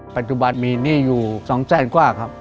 ปัจจุบันมีหนี้อยู่๒แสนกว่าครับ